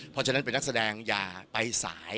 เพราะฉะนั้นเป็นนักแสดงอย่าไปสาย